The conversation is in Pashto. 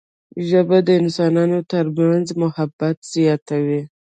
ژبه د انسانانو ترمنځ محبت زیاتوي